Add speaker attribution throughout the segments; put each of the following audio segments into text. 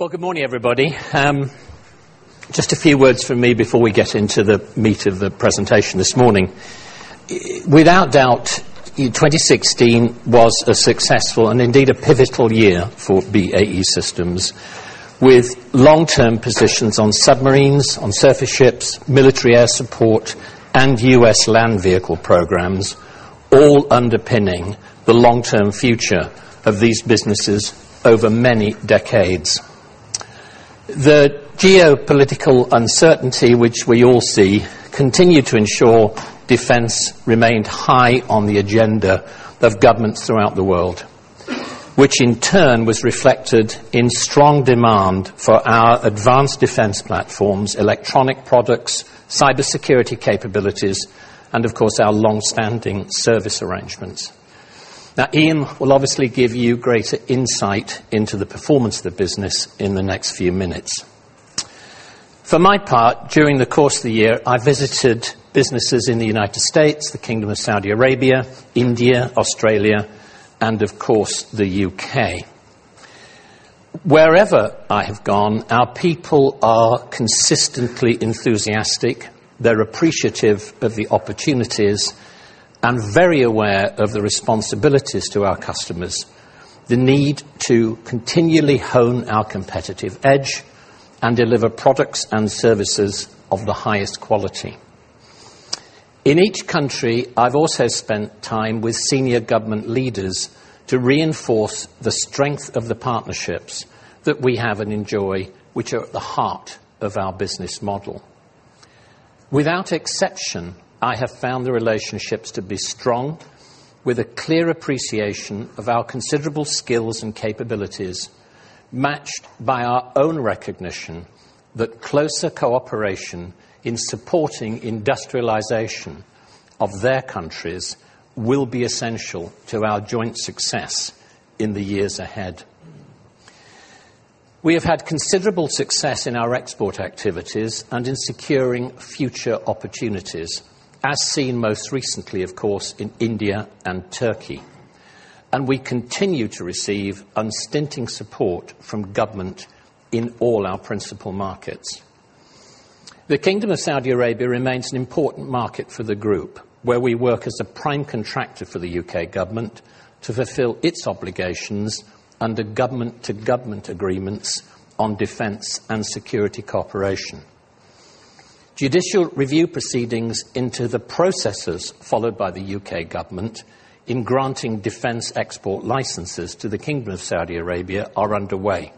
Speaker 1: Well, good morning, everybody. Just a few words from me before we get into the meat of the presentation this morning. Without doubt, 2016 was a successful and indeed a pivotal year for BAE Systems, with long-term positions on submarines, on surface ships, military air support, and U.S. land vehicle programs, all underpinning the long-term future of these businesses over many decades. The geopolitical uncertainty, which we all see, continued to ensure defense remained high on the agenda of governments throughout the world, which in turn was reflected in strong demand for our advanced defense platforms, electronic products, cybersecurity capabilities, and of course, our long-standing service arrangements. Ian will obviously give you greater insight into the performance of the business in the next few minutes. For my part, during the course of the year, I visited businesses in the United States, the Kingdom of Saudi Arabia, India, Australia, and of course, the U.K. Wherever I have gone, our people are consistently enthusiastic. They're appreciative of the opportunities and very aware of the responsibilities to our customers, the need to continually hone our competitive edge, and deliver products and services of the highest quality. In each country, I've also spent time with senior government leaders to reinforce the strength of the partnerships that we have and enjoy, which are at the heart of our business model. Without exception, I have found the relationships to be strong with a clear appreciation of our considerable skills and capabilities, matched by our own recognition that closer cooperation in supporting industrialization of their countries will be essential to our joint success in the years ahead. We have had considerable success in our export activities and in securing future opportunities, as seen most recently, of course, in India and Turkey. We continue to receive unstinting support from government in all our principal markets. The Kingdom of Saudi Arabia remains an important market for the group, where we work as a prime contractor for the U.K. government to fulfill its obligations under government-to-government agreements on defense and security cooperation. Judicial review proceedings into the processes followed by the U.K. government in granting defense export licenses to the Kingdom of Saudi Arabia are underway,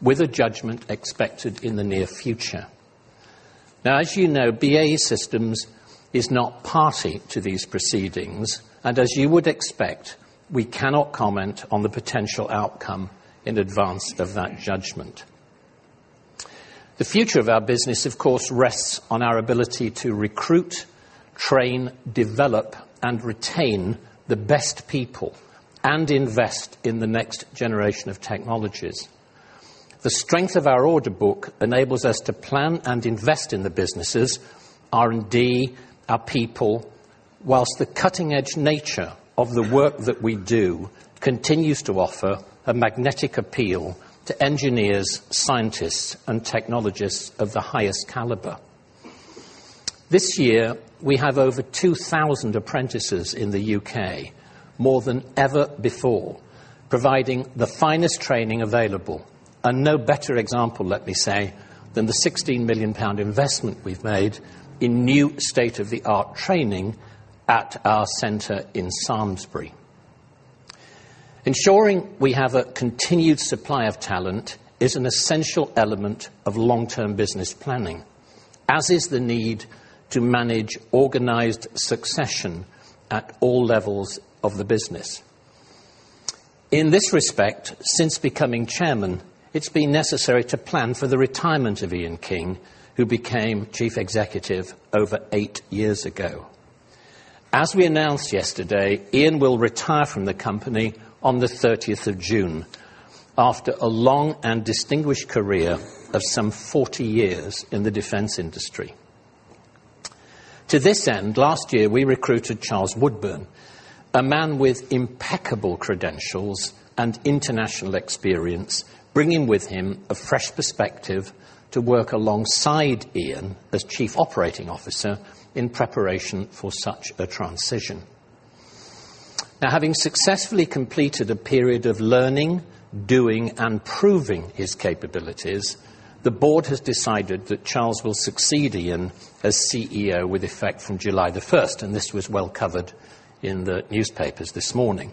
Speaker 1: with a judgment expected in the near future. As you know, BAE Systems is not party to these proceedings, and as you would expect, we cannot comment on the potential outcome in advance of that judgment. The future of our business, of course, rests on our ability to recruit, train, develop, and retain the best people and invest in the next generation of technologies. The strength of our order book enables us to plan and invest in the businesses, R&D, our people, whilst the cutting-edge nature of the work that we do continues to offer a magnetic appeal to engineers, scientists, and technologists of the highest caliber. This year, we have over 2,000 apprentices in the U.K., more than ever before, providing the finest training available and no better example, let me say, than the 16 million pound investment we've made in new state-of-the-art training at our center in Samlesbury. Ensuring we have a continued supply of talent is an essential element of long-term business planning, as is the need to manage organized succession at all levels of the business. In this respect, since becoming Chairman, it's been necessary to plan for the retirement of Ian King, who became Chief Executive over eight years ago. As we announced yesterday, Ian will retire from the company on the 30th of June after a long and distinguished career of some 40 years in the defense industry. To this end, last year, we recruited Charles Woodburn, a man with impeccable credentials and international experience, bringing with him a fresh perspective to work alongside Ian as Chief Operating Officer in preparation for such a transition. Having successfully completed a period of learning, doing, and proving his capabilities, the board has decided that Charles will succeed Ian as CEO with effect from July the 1st, and this was well covered in the newspapers this morning.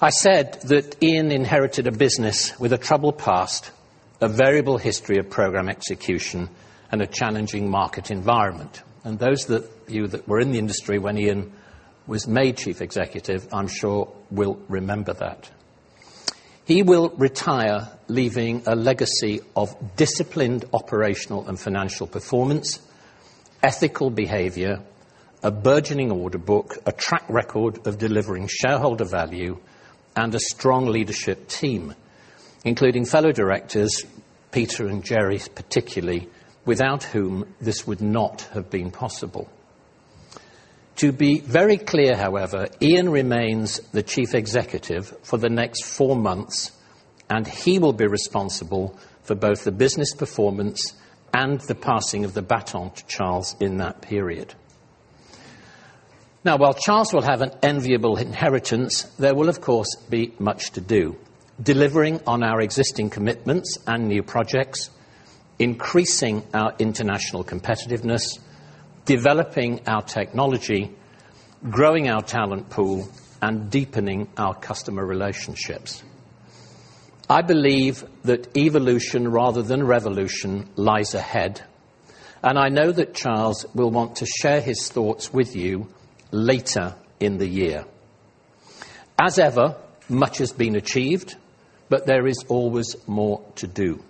Speaker 1: I said that Ian inherited a business with a troubled past, a variable history of program execution, and a challenging market environment. Those of you that were in the industry when Ian was made Chief Executive, I'm sure will remember that. He will retire, leaving a legacy of disciplined operational and financial performance, ethical behavior, a burgeoning order book, a track record of delivering shareholder value, and a strong leadership team, including fellow directors, Peter and Jerry, particularly, without whom this would not have been possible. To be very clear, however, Ian remains the Chief Executive for the next four months, and he will be responsible for both the business performance and the passing of the baton to Charles in that period. While Charles will have an enviable inheritance, there will, of course, be much to do. Delivering on our existing commitments and new projects, increasing our international competitiveness, developing our technology, growing our talent pool, and deepening our customer relationships. I believe that evolution rather than revolution lies ahead, I know that Charles will want to share his thoughts with you later in the year. As ever, much has been achieved, there is always more to do.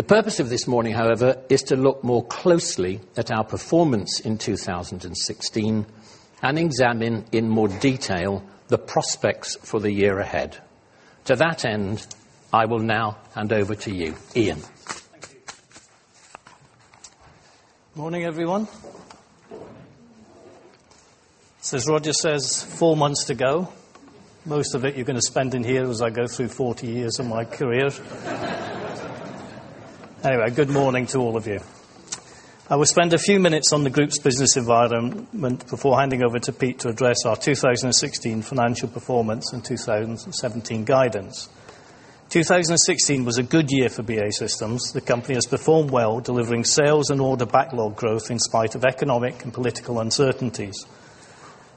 Speaker 1: The purpose of this morning, however, is to look more closely at our performance in 2016 and examine in more detail the prospects for the year ahead. To that end, I will now hand over to you, Ian.
Speaker 2: Thank you. Morning, everyone.
Speaker 3: Morning.
Speaker 2: Sir Roger says 4 months to go. Most of it you're going to spend in here as I go through 40 years of my career. Good morning to all of you. I will spend a few minutes on the group's business environment before handing over to Pete to address our 2016 financial performance and 2017 guidance. 2016 was a good year for BAE Systems. The company has performed well, delivering sales and order backlog growth in spite of economic and political uncertainties.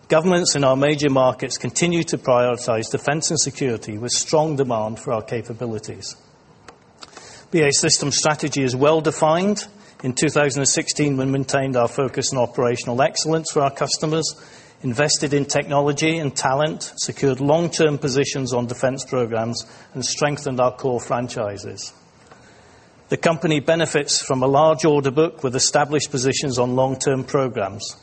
Speaker 2: Governments in our major markets continue to prioritize defense and security with strong demand for our capabilities. BAE Systems' strategy is well-defined. In 2016, we maintained our focus on operational excellence for our customers, invested in technology and talent, secured long-term positions on defense programs, and strengthened our core franchises. The company benefits from a large order book with established positions on long-term programs.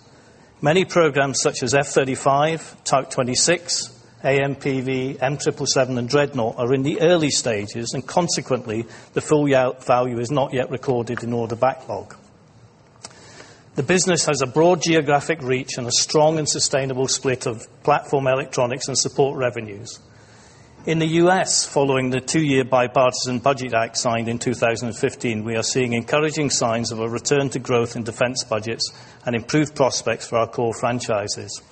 Speaker 2: Many programs such as F-35, Type 26, AMPV, M777, and Dreadnought are in the early stages. Consequently, the full value is not yet recorded in order backlog. The business has a broad geographic reach and a strong and sustainable split of platform electronics and support revenues. In the U.S., following the 2-year Bipartisan Budget Act signed in 2015, we are seeing encouraging signs of a return to growth in defense budgets and improved prospects for our core franchises.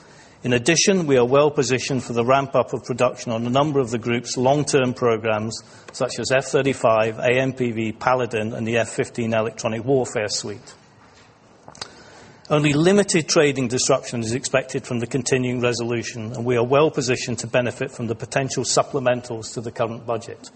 Speaker 2: We are well-positioned for the ramp-up of production on a number of the group's long-term programs, such as F-35, AMPV, Paladin, and the F-15 electronic warfare suite. Only limited trading disruption is expected from the continuing resolution, and we are well-positioned to benefit from the potential supplementals to the current budget.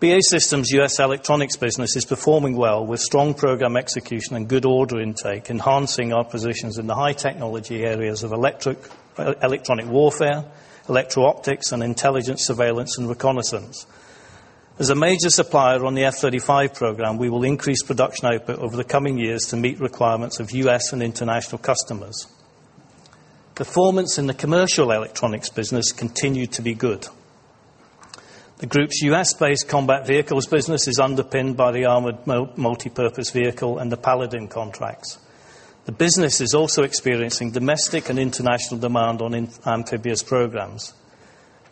Speaker 2: BAE Systems' U.S. electronics business is performing well with strong program execution and good order intake, enhancing our positions in the high technology areas of electronic warfare, electro-optics, and intelligence surveillance and reconnaissance. As a major supplier on the F-35 program, we will increase production output over the coming years to meet requirements of U.S. and international customers. Performance in the commercial electronics business continued to be good. The group's U.S.-based combat vehicles business is underpinned by the Armored Multi-Purpose Vehicle and the Paladin contracts. The business is also experiencing domestic and international demand on amphibious programs.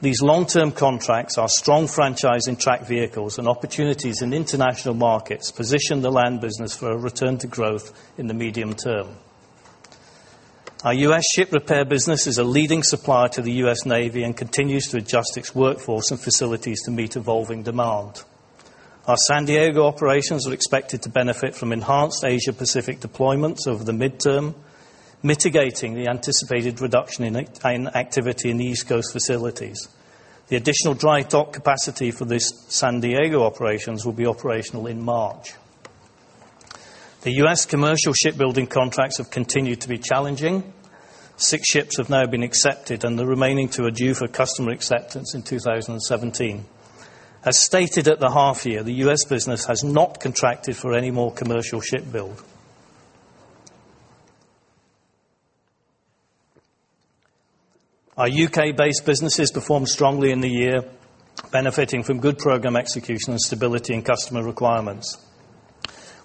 Speaker 2: These long-term contracts are strong franchise in tracked vehicles and opportunities in international markets, position the land business for a return to growth in the medium term. Our U.S. ship repair business is a leading supplier to the U.S. Navy and continues to adjust its workforce and facilities to meet evolving demand. Our San Diego operations are expected to benefit from enhanced Asia-Pacific deployments over the midterm, mitigating the anticipated reduction in activity in the East Coast facilities. The additional dry dock capacity for this San Diego operations will be operational in March. The U.S. commercial shipbuilding contracts have continued to be challenging. 6 ships have now been accepted and the remaining two are due to customer acceptance in 2017. As stated at the half year, the U.S. business has not contracted for any more commercial ship build. Our U.K.-based businesses performed strongly in the year, benefiting from good program execution and stability in customer requirements.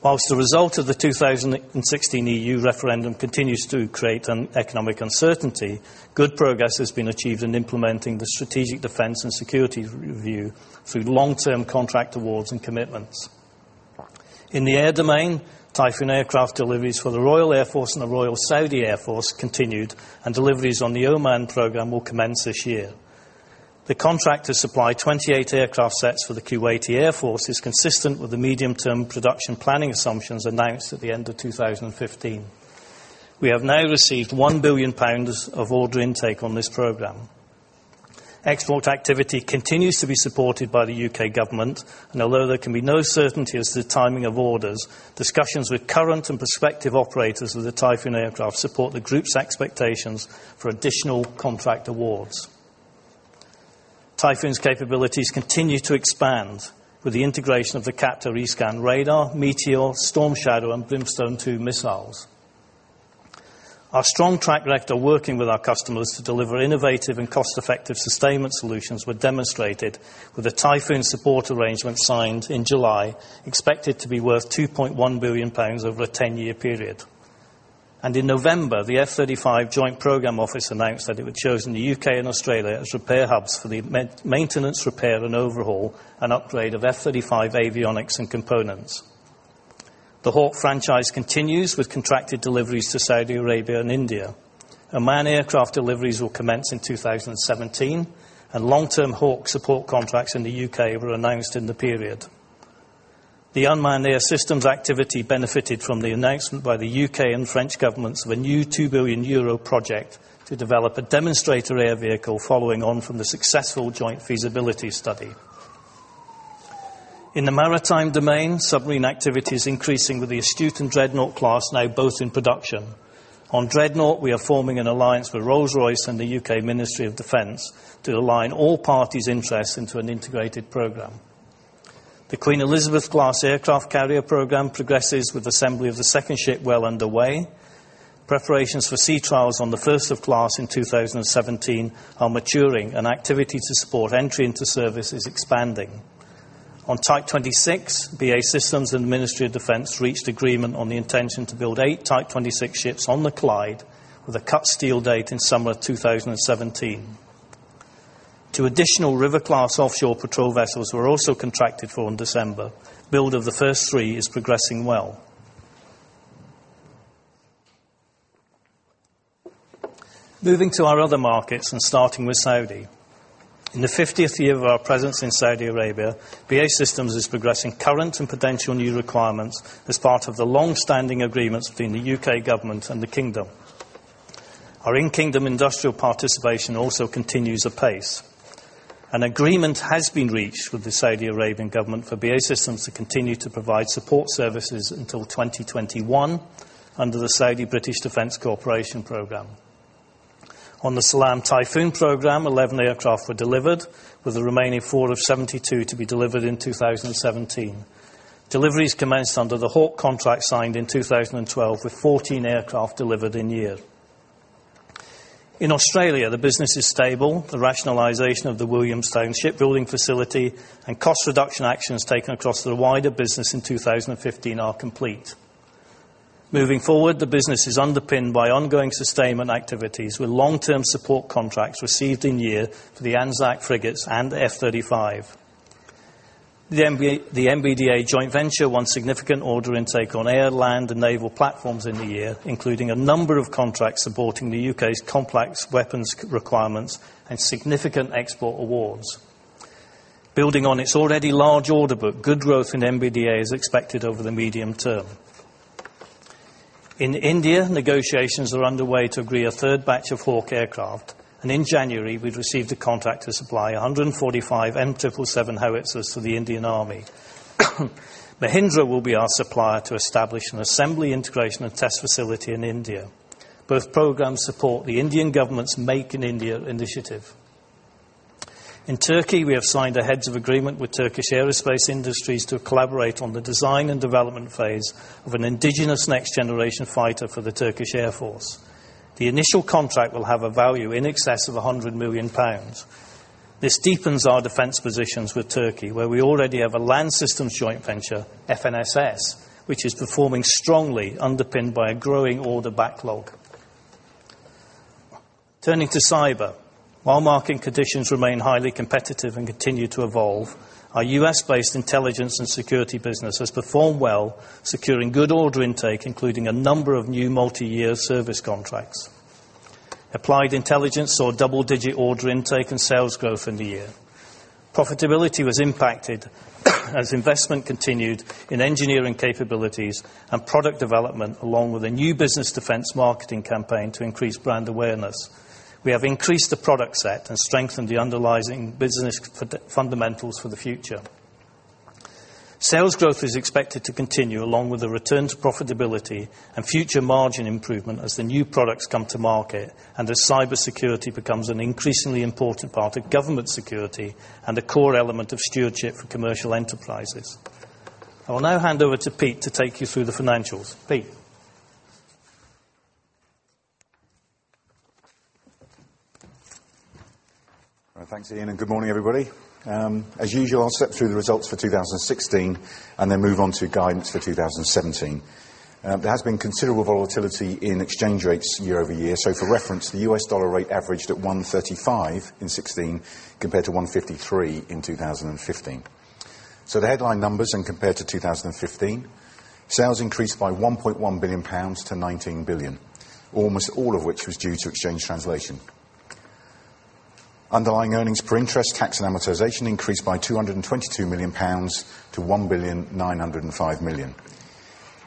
Speaker 2: The result of the 2016 EU referendum continues to create an economic uncertainty, good progress has been achieved in implementing the Strategic Defence and Security Review through long-term contract awards and commitments. In the air domain, Typhoon aircraft deliveries for the Royal Air Force and the Royal Saudi Air Force continued. Deliveries on the Oman program will commence this year. The contract to supply 28 aircraft sets for the Kuwait Air Force is consistent with the medium-term production planning assumptions announced at the end of 2015. We have now received 1 billion pounds of order intake on this program. Export activity continues to be supported by the U.K. government. Although there can be no certainty as to the timing of orders, discussions with current and prospective operators of the Typhoon aircraft support the group's expectations for additional contract awards. Typhoon's capabilities continue to expand with the integration of the Captor-E scan radar, Meteor, Storm Shadow, and Brimstone 2 missiles. Our strong track record working with our customers to deliver innovative and cost-effective sustainment solutions were demonstrated with a Typhoon support arrangement signed in July, expected to be worth 2.1 billion pounds over a 10-year period. In November, the F-35 Joint Program Office announced that it had chosen the U.K. and Australia as repair hubs for the maintenance, repair, overhaul, and upgrade of F-35 avionics and components. The Hawk franchise continues with contracted deliveries to Saudi Arabia and India. Unmanned aircraft deliveries will commence in 2017. Long-term Hawk support contracts in the U.K. were announced in the period. The unmanned air systems activity benefited from the announcement by the U.K. and French governments of a new 2 billion euro project to develop a demonstrator air vehicle, following on from the successful joint feasibility study. In the maritime domain, submarine activity is increasing with the Astute and Dreadnought class now both in production. On Dreadnought, we are forming an alliance with Rolls-Royce and the U.K. Ministry of Defence to align all parties' interests into an integrated program. The Queen Elizabeth-class aircraft carrier program progresses with assembly of the second ship well underway. Preparations for sea trials on the first of class in 2017 are maturing. Activity to support entry into service is expanding. On Type 26, BAE Systems and the Ministry of Defence reached agreement on the intention to build eight Type 26 ships on the Clyde with a cut-steel date in summer 2017. Two additional River-class offshore patrol vessels were also contracted for in December. Build of the first three is progressing well. Moving to our other markets, starting with Saudi. In the 50th year of our presence in Saudi Arabia, BAE Systems is progressing current and potential new requirements as part of the longstanding agreements between the U.K. government and the Kingdom. Our in-Kingdom industrial participation also continues apace. An agreement has been reached with the Saudi Arabian government for BAE Systems to continue to provide support services until 2021 under the Saudi-British Defence Cooperation Programme. On the Salam Typhoon program, 11 aircraft were delivered, with the remaining four of 72 to be delivered in 2017. Deliveries commenced under the Hawk contract signed in 2012, with 14 aircraft delivered in-year. In Australia, the business is stable. The rationalization of the Williamstown shipbuilding facility and cost reduction actions taken across the wider business in 2015 are complete. Moving forward, the business is underpinned by ongoing sustainment activities, with long-term support contracts received in-year for the ANZAC frigates and the F-35. The MBDA joint venture won significant order intake on air, land, and naval platforms in the year, including a number of contracts supporting the U.K.'s complex weapons requirements and significant export awards. Building on its already large order book, good growth in MBDA is expected over the medium term. In India, negotiations are underway to agree a third batch of Hawk aircraft, and in January, we've received a contract to supply 145 M777 howitzers to the Indian Army. Mahindra will be our supplier to establish an assembly, integration, and test facility in India. Both programs support the Indian government's Make in India initiative. In Turkey, we have signed a heads of agreement with Turkish Aerospace Industries to collaborate on the design and development phase of an indigenous next-generation fighter for the Turkish Air Force. The initial contract will have a value in excess of 100 million pounds. This deepens our defense positions with Turkey, where we already have a land systems joint venture, FNSS, which is performing strongly, underpinned by a growing order backlog. Turning to cyber. While market conditions remain highly competitive and continue to evolve, our U.S.-based intelligence and security business has performed well, securing good order intake, including a number of new multi-year service contracts. Applied Intelligence saw double-digit order intake and sales growth in the year. Profitability was impacted as investment continued in engineering capabilities and product development, along with a new business defense marketing campaign to increase brand awareness. We have increased the product set and strengthened the underlying business fundamentals for the future. Sales growth is expected to continue, along with a return to profitability and future margin improvement as the new products come to market and as cybersecurity becomes an increasingly important part of government security and a core element of stewardship for commercial enterprises. I will now hand over to Pete to take you through the financials. Pete?
Speaker 4: All right. Thanks, Ian, and good morning, everybody. As usual, I'll step through the results for 2016 and then move on to guidance for 2017. There has been considerable volatility in exchange rates year-over-year. For reference, the U.S. dollar rate averaged at 135 in 2016, compared to 153 in 2015. The headline numbers, compared to 2015, sales increased by 1.1 billion pounds to 19 billion, almost all of which was due to exchange translation. Underlying earnings per interest, tax, and amortization increased by 222 million pounds to 1,905 million.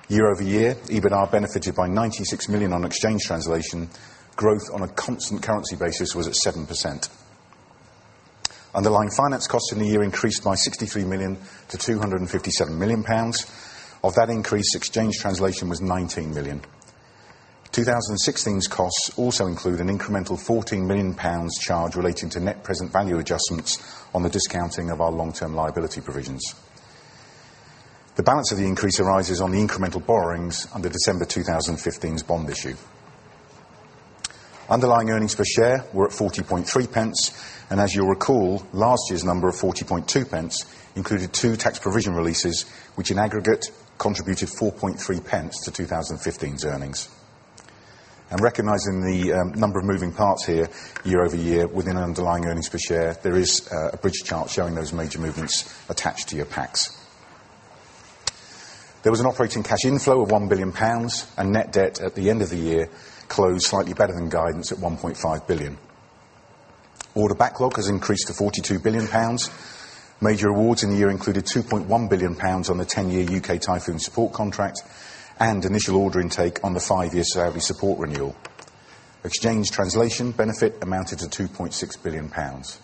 Speaker 4: Year-over-year, EBITA benefited by 96 million on exchange translation. Growth on a constant currency basis was at 7%. Underlying finance costs in the year increased by 63 million to 257 million pounds. Of that increase, exchange translation was 19 million. 2016's costs also include an incremental 14 million pounds charge relating to net present value adjustments on the discounting of our long-term liability provisions. The balance of the increase arises on the incremental borrowings under December 2015's bond issue. Underlying earnings per share were at 0.403. As you'll recall, last year's number of 0.402 included two tax provision releases, which in aggregate, contributed 0.043 to 2015's earnings. Recognizing the number of moving parts here year-over-year within underlying earnings per share, there is a bridge chart showing those major movements attached to your packs. There was an operating cash inflow of 1 billion pounds, and net debt at the end of the year closed slightly better than guidance at 1.5 billion. Order backlog has increased to 42 billion pounds. Major awards in the year included 2.1 billion pounds on the 10-year U.K. Typhoon support contract and initial order intake on the five-year Saudi support renewal. Exchange translation benefit amounted to 2.6 billion pounds.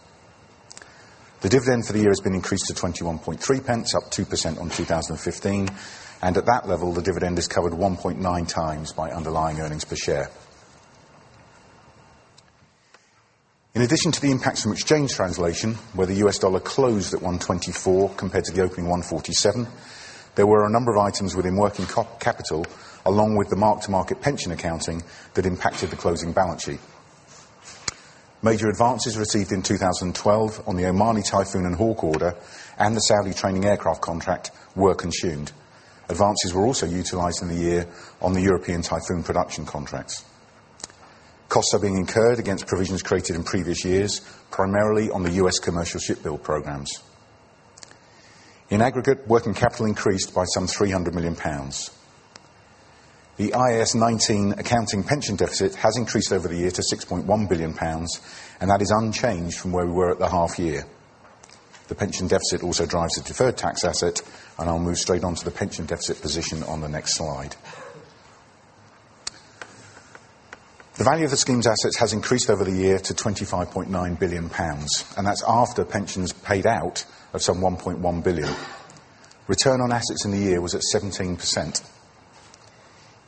Speaker 4: The dividend for the year has been increased to 0.213, up 2% on 2015. At that level, the dividend is covered 1.9 times by underlying earnings per share. In addition to the impacts from exchange translation, where the U.S. dollar closed at 124 compared to the opening 147, there were a number of items within working capital, along with the mark-to-market pension accounting that impacted the closing balance sheet. Major advances received in 2012 on the Omani Typhoon and Hawk order and the Saudi training aircraft contract were consumed. Advances were also utilized in the year on the European Typhoon production contracts. Costs are being incurred against provisions created in previous years, primarily on the U.S. commercial ship build programs. In aggregate, working capital increased by some 300 million pounds. The IAS 19 accounting pension deficit has increased over the year to 6.1 billion pounds, and that is unchanged from where we were at the half year. The pension deficit also drives the deferred tax asset, and I'll move straight on to the pension deficit position on the next slide. The value of the scheme's assets has increased over the year to 25.9 billion pounds, and that's after pensions paid out of some 1.1 billion. Return on assets in the year was at 17%.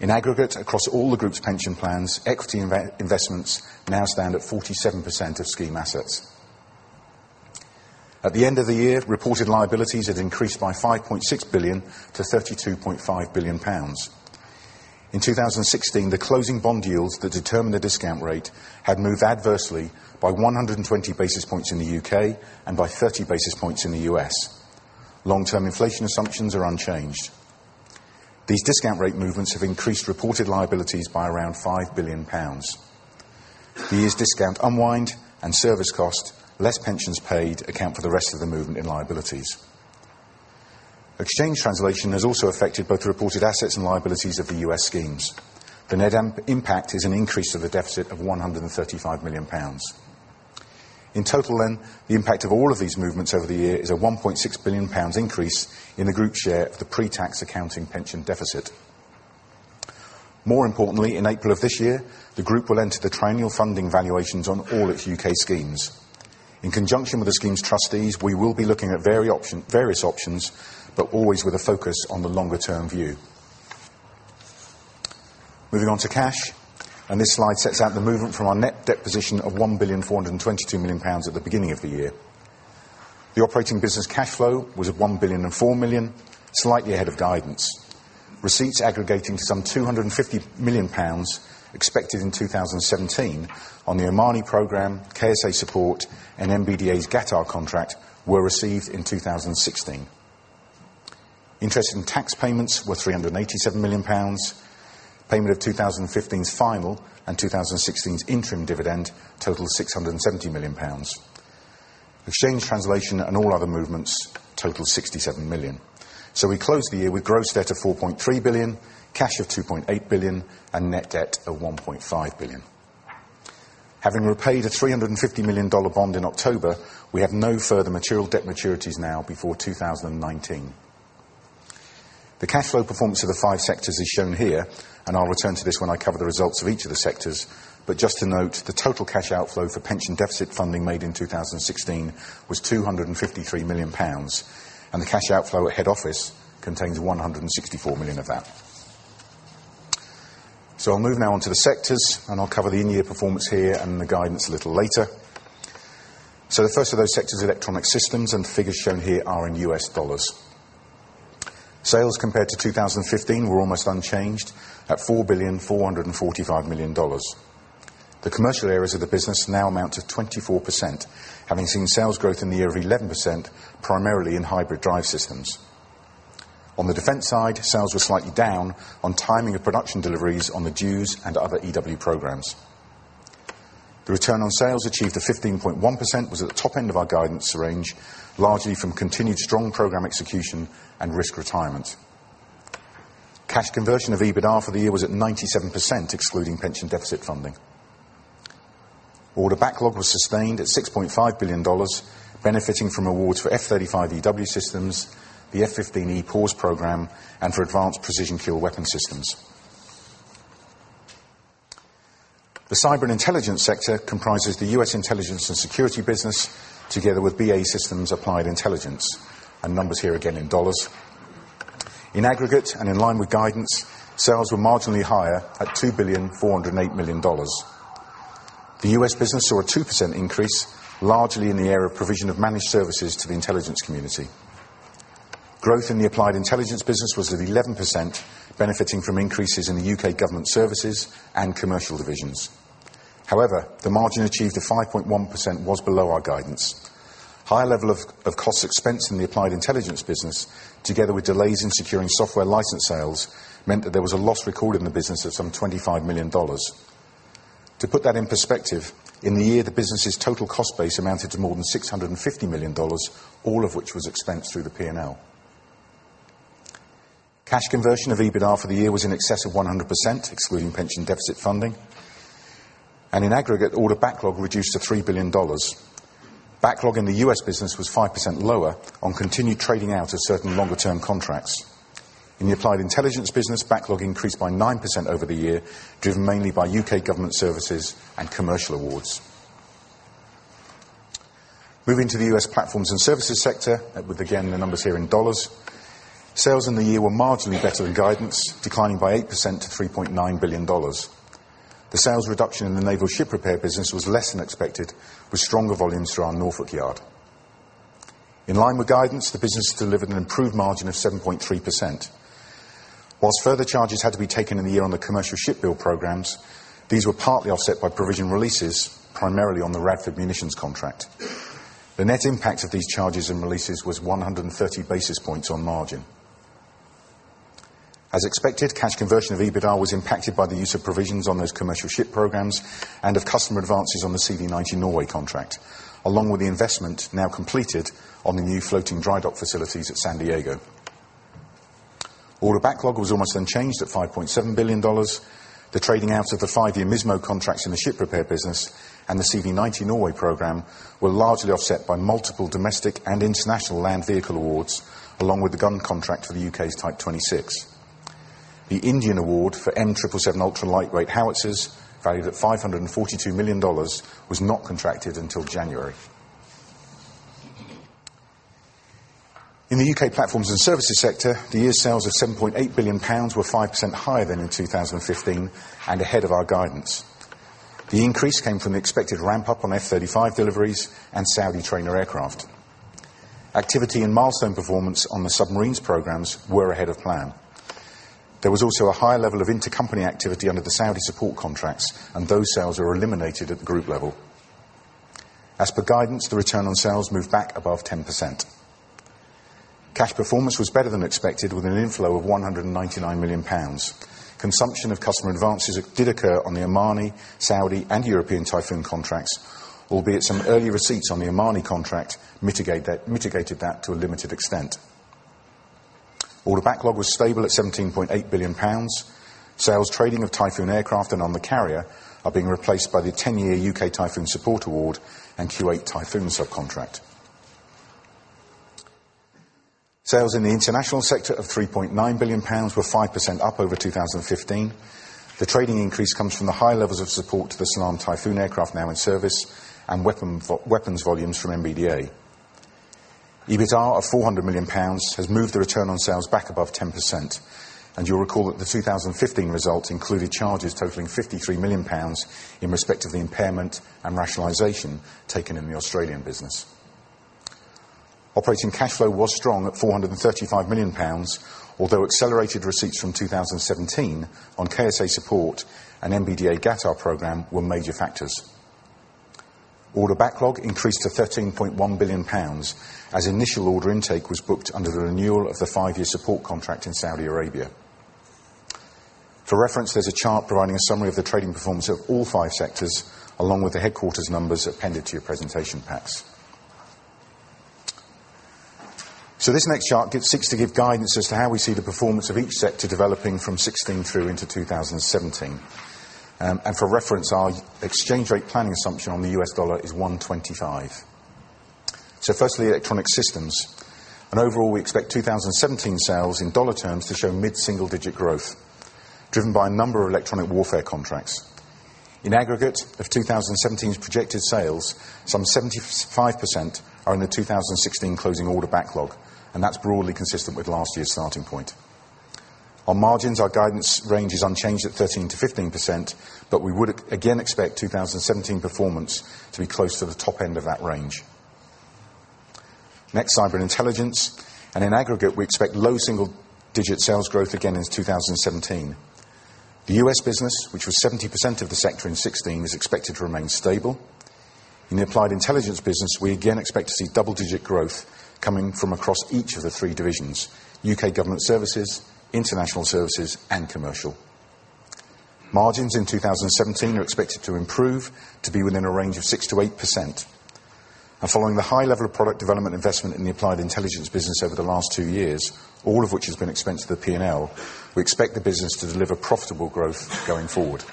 Speaker 4: In aggregate, across all the group's pension plans, equity investments now stand at 47% of scheme assets. At the end of the year, reported liabilities had increased by 5.6 billion to 32.5 billion pounds. In 2016, the closing bond yields that determine the discount rate had moved adversely by 120 basis points in the U.K. and by 30 basis points in the U.S. Long-term inflation assumptions are unchanged. These discount rate movements have increased reported liabilities by around 5 billion pounds. The year's discount unwind and service cost, less pensions paid, account for the rest of the movement in liabilities. Exchange translation has also affected both the reported assets and liabilities of the U.S. schemes. The net impact is an increase of the deficit of 135 million pounds. In total, the impact of all of these movements over the year is a 1.6 billion pounds increase in the group's share of the pre-tax accounting pension deficit. More importantly, in April of this year, the group will enter the triennial funding valuations on all its U.K. schemes. In conjunction with the scheme's trustees, we will be looking at various options, but always with a focus on the longer-term view. Moving on to cash, this slide sets out the movement from our net debt position of 1,422 million pounds at the beginning of the year. The operating business cash flow was at 1,004 million, slightly ahead of guidance. Receipts aggregating to some 250 million pounds expected in 2017 on the Omani program, KSA Support, and MBDA's Qatar contract were received in 2016. Interest and tax payments were 387 million pounds. Payment of 2015's final and 2016's interim dividend totaled 670 million pounds. Exchange translation and all other movements totaled 67 million. We closed the year with gross debt of 4.3 billion, cash of 2.8 billion, and net debt of 1.5 billion. Having repaid a $350 million bond in October, we have no further material debt maturities now before 2019. The cash flow performance of the five sectors is shown here, I'll return to this when I cover the results of each of the sectors. Just to note, the total cash outflow for pension deficit funding made in 2016 was 253 million pounds, the cash outflow at head office contains 164 million of that. I'll move now on to the sectors, I'll cover the in-year performance here and the guidance a little later. The first of those sectors, Electronic Systems, figures shown here are in U.S. dollars. Sales compared to 2015 were almost unchanged at $4,445 million. The commercial areas of the business now amount to 24%, having seen sales growth in the year of 11%, primarily in hybrid drive systems. On the defense side, sales were slightly down on timing of production deliveries on the DEWS and other EW programs. The return on sales achieved of 15.1% was at the top end of our guidance range, largely from continued strong program execution and risk retirement. Cash conversion of EBITDA for the year was at 97%, excluding pension deficit funding. Order backlog was sustained at $6.5 billion, benefiting from awards for F-35 EW systems, the F-15 EPAWSS program, and for Advanced Precision Kill Weapon Systems. The Cyber and Intelligence sector comprises the U.S. intelligence and security business, together with BAE Systems Applied Intelligence, numbers here again in dollars. In aggregate in line with guidance, sales were marginally higher at $2,408 million. The U.S. business saw a 2% increase, largely in the area of provision of managed services to the intelligence community. Growth in the applied intelligence business was at 11%, benefiting from increases in the U.K. government services and commercial divisions. However, the margin achieved of 5.1% was below our guidance. High level of cost expense in the applied intelligence business, together with delays in securing software license sales, meant that there was a loss recorded in the business of some $25 million. To put that in perspective, in the year, the business's total cost base amounted to more than $650 million, all of which was expensed through the P&L. Cash conversion of EBITDA for the year was in excess of 100%, excluding pension deficit funding, in aggregate, order backlog reduced to $3 billion. Backlog in the U.S. business was 5% lower on continued trading out of certain longer-term contracts. In the Applied Intelligence business, backlog increased by 9% over the year, driven mainly by U.K. government services and commercial awards. Moving to the U.S. platforms and services sector, with again, the numbers here in dollars, sales in the year were marginally better than guidance, declining by 8% to 3.9 billion dollars. The sales reduction in the naval ship repair business was less than expected, with stronger volumes through our Norfolk yard. In line with guidance, the business delivered an improved margin of 7.3%. Whilst further charges had to be taken in the year on the commercial ship build programs, these were partly offset by provision releases, primarily on the Radford Munitions contract. The net impact of these charges and releases was 130 basis points on margin. As expected, cash conversion of EBITDA was impacted by the use of provisions on those commercial ship programs and of customer advances on the CV90 Norway contract, along with the investment now completed on the new floating dry dock facilities at San Diego. Order backlog was almost unchanged at 5.7 billion dollars. The trading out of the five-year MSMO contracts in the ship repair business and the CV90 Norway program were largely offset by multiple domestic and international land vehicle awards, along with the gun contract for the U.K.'s Type 26. The Indian Army award for M777 ultra lightweight howitzers, valued at 542 million dollars, was not contracted until January. In the U.K. platforms and services sector, the year's sales of 7.8 billion pounds were 5% higher than in 2015 and ahead of our guidance. The increase came from the expected ramp-up on F-35 deliveries and Saudi Hawk trainer aircraft. Activity and milestone performance on the submarines programs were ahead of plan. There was also a high level of intercompany activity under the Saudi support contracts, and those sales are eliminated at the group level. As per guidance, the return on sales moved back above 10%. Cash performance was better than expected, with an inflow of 199 million pounds. Consumption of customer advances did occur on the Omani, Saudi, and European Typhoon contracts, albeit some early receipts on the Omani contract mitigated that to a limited extent. Order backlog was stable at 17.8 billion pounds. Sales trading of Typhoon aircraft and on the Queen Elizabeth carrier are being replaced by the 10-year U.K. Typhoon support award and Kuwait Air Force Typhoon subcontract. Sales in the international sector of 3.9 billion pounds were 5% up over 2015. The trading increase comes from the high levels of support to the Salam Typhoon aircraft now in service, and weapons volumes from MBDA. EBITDA of 400 million pounds has moved the return on sales back above 10%, and you'll recall that the 2015 results included charges totaling 53 million pounds in respect of the impairment and rationalization taken in the Australian business. Operating cash flow was strong at 435 million pounds, although accelerated receipts from 2017 on KSA support and MBDA Qatar program were major factors. Order backlog increased to 13.1 billion pounds, as initial order intake was booked under the renewal of the five-year support contract in Saudi Arabia. For reference, there's a chart providing a summary of the trading performance of all five sectors, along with the headquarters numbers appended to your presentation packs. This next chart seeks to give guidance as to how we see the performance of each sector developing from 2016 through into 2017. For reference, our exchange rate planning assumption on the U.S. dollar is 125. Firstly, Electronic Systems. Overall, we expect 2017 sales in dollar terms to show mid-single-digit growth, driven by a number of electronic warfare contracts. In aggregate, of 2017's projected sales, some 75% are in the 2016 closing order backlog. That's broadly consistent with last year's starting point. On margins, our guidance range is unchanged at 13%-15%, but we would again expect 2017 performance to be close to the top end of that range. Next, Cyber and Intelligence. In aggregate, we expect low double-digit sales growth again in 2017. The U.S. business, which was 70% of the sector in 2016, is expected to remain stable. In the Applied Intelligence business, we again expect to see double-digit growth coming from across each of the three divisions: U.K. government services, international services, and commercial. Margins in 2017 are expected to improve to be within a range of 6%-8%. Following the high level of product development investment in the Applied Intelligence business over the last two years, all of which has been expensed to the P&L, we expect the business to deliver profitable growth going forward.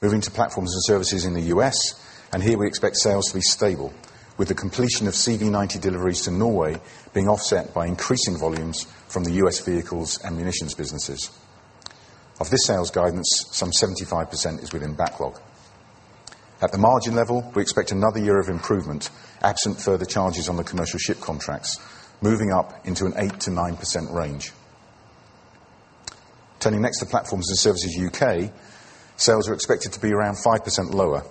Speaker 4: Moving to Platforms and Services in the U.S. Here we expect sales to be stable, with the completion of CV90 deliveries to Norway being offset by increasing volumes from the U.S. vehicles and munitions businesses. Of this sales guidance, some 75% is within backlog. At the margin level, we expect another year of improvement, absent further charges on the commercial ship contracts, moving up into an 8%-9% range. Turning next to Platforms and Services U.K., sales are expected to be around 5% lower.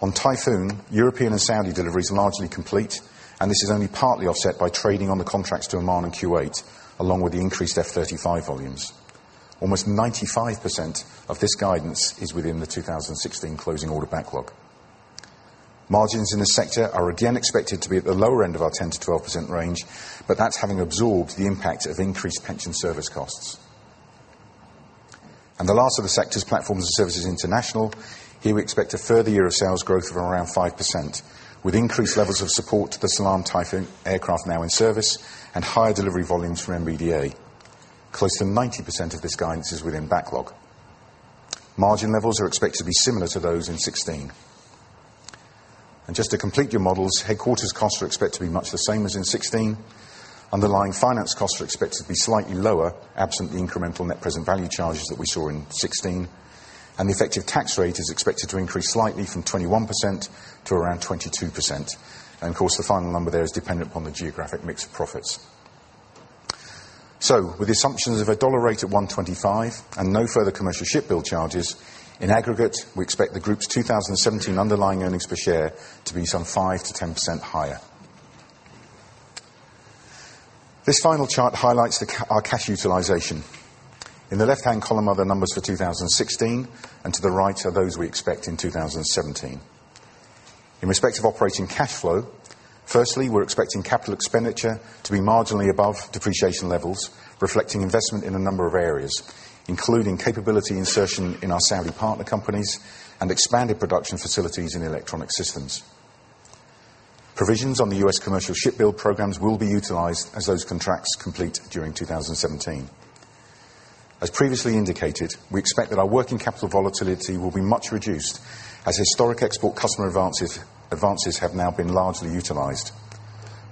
Speaker 4: On Typhoon, European and Saudi delivery is largely complete. This is only partly offset by trading on the contracts to Oman and Kuwait, along with the increased F-35 volumes. Almost 95% of this guidance is within the 2016 closing order backlog. Margins in this sector are again expected to be at the lower end of our 10%-12% range. That's having absorbed the impact of increased pension service costs. The last of the sectors, Platforms and Services International. Here we expect a further year of sales growth of around 5%, with increased levels of support to the Salam Typhoon aircraft now in service, and higher delivery volumes from MBDA. Close to 90% of this guidance is within backlog. Margin levels are expected to be similar to those in 2016. Just to complete your models, headquarters costs are expected to be much the same as in 2016. Underlying finance costs are expected to be slightly lower, absent the incremental net present value charges that we saw in 2016. The effective tax rate is expected to increase slightly from 21% to around 22%. Of course, the final number there is dependent upon the geographic mix of profits. With the assumptions of a dollar rate at 125 and no further commercial ship build charges, in aggregate, we expect the group's 2017 underlying earnings per share to be some 5%-10% higher. This final chart highlights our cash utilization. In the left-hand column are the numbers for 2016, and to the right are those we expect in 2017. In respect of operating cash flow, firstly, we're expecting capital expenditure to be marginally above depreciation levels, reflecting investment in a number of areas, including capability insertion in our Saudi partner companies and expanded production facilities in Electronic Systems. Provisions on the U.S. commercial ship build programs will be utilized as those contracts complete during 2017. As previously indicated, we expect that our working capital volatility will be much reduced as historic export customer advances have now been largely utilized.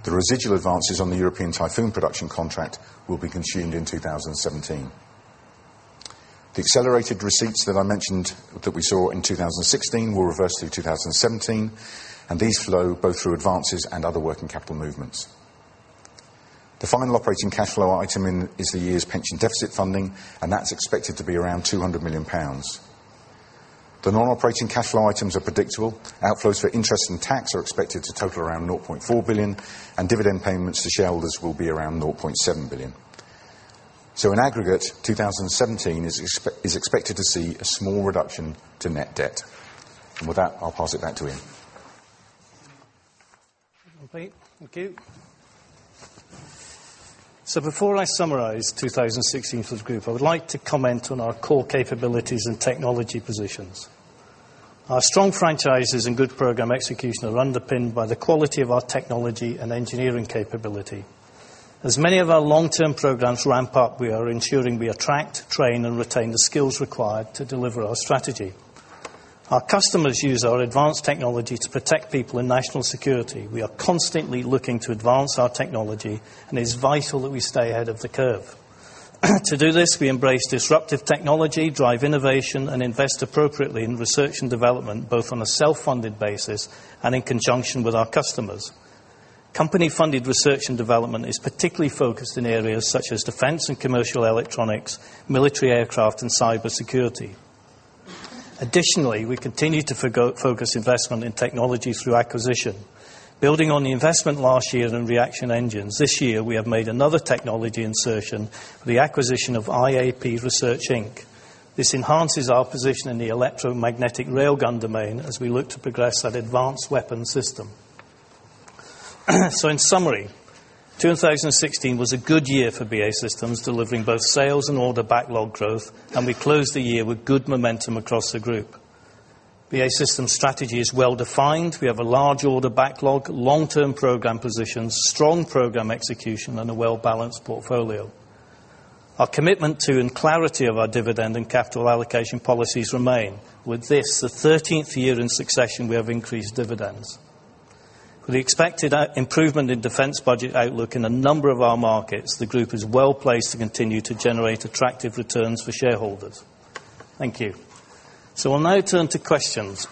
Speaker 4: The residual advances on the European Typhoon production contract will be consumed in 2017. The accelerated receipts that I mentioned that we saw in 2016 will reverse through 2017, and these flow both through advances and other working capital movements. The final operating cash flow item is the year's pension deficit funding, and that's expected to be around 200 million pounds. The non-operating cash flow items are predictable. Outflows for interest and tax are expected to total around 0.4 billion, and dividend payments to shareholders will be around 0.7 billion. In aggregate, 2017 is expected to see a small reduction to net debt. With that, I'll pass it back to Ian.
Speaker 2: Okay, thank you. Before I summarize 2016 for the group, I would like to comment on our core capabilities and technology positions. Our strong franchises and good program execution are underpinned by the quality of our technology and engineering capability. As many of our long-term programs ramp up, we are ensuring we attract, train, and retain the skills required to deliver our strategy. Our customers use our advanced technology to protect people and national security. We are constantly looking to advance our technology, and it is vital that we stay ahead of the curve. To do this, we embrace disruptive technology, drive innovation, and invest appropriately in research and development, both on a self-funded basis and in conjunction with our customers. Company-funded research and development is particularly focused in areas such as defense and commercial electronics, military aircraft, and cybersecurity. Additionally, we continue to focus investment in technology through acquisition. Building on the investment last year in Reaction Engines, this year we have made another technology insertion, the acquisition of IAP Research Inc. This enhances our position in the electromagnetic railgun domain as we look to progress that advanced weapon system. In summary, 2016 was a good year for BAE Systems, delivering both sales and order backlog growth, and we closed the year with good momentum across the group. BAE Systems' strategy is well-defined. We have a large order backlog, long-term program positions, strong program execution, and a well-balanced portfolio. Our commitment to and clarity of our dividend and capital allocation policies remain. With this, the 13th year in succession, we have increased dividends. With the expected improvement in defense budget outlook in a number of our markets, the group is well-placed to continue to generate attractive returns for shareholders. Thank you. We'll now turn to questions,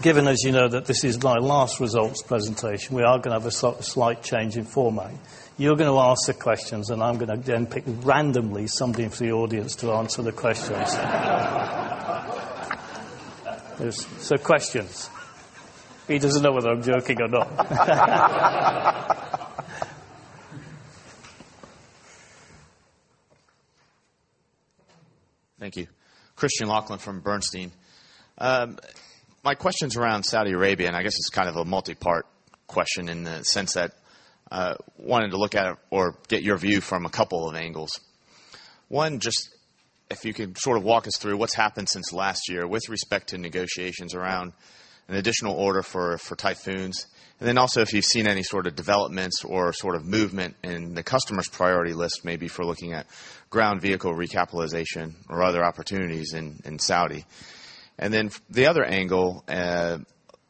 Speaker 2: given, as you know, that this is my last results presentation, we are going to have a slight change in format. You're going to ask the questions, I'm going to then pick randomly somebody from the audience to answer the questions. Questions. He doesn't know whether I'm joking or not.
Speaker 5: Thank you. Christophe Menard from Bernstein. My question's around Saudi Arabia, I guess it's kind of a multi-part question in the sense that I wanted to look at or get your view from a couple of angles. One, just if you could sort of walk us through what's happened since last year with respect to negotiations around an additional order for Typhoons. Then also if you've seen any sort of developments or sort of movement in the customer's priority list, maybe for looking at ground vehicle recapitalization or other opportunities in Saudi. Then the other angle,